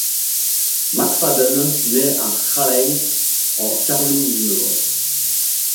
McFadden naît à Raleigh en Caroline du Nord.